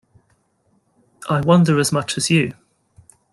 I wonder as much as you.